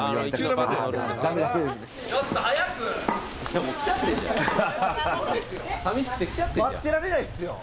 待ってられないですよ。